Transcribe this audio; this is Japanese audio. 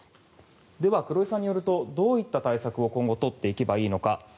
では黒井さんによるとどういった対策を今後取っていけばいいのか。